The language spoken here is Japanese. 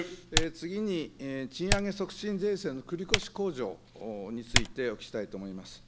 次に、賃上げ促進税制の繰り越し控除についてお聞きしたいと思います。